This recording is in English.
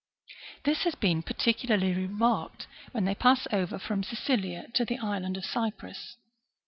This has been par ticularly remarked when they pass over from Cilicia to the island of Cyprus.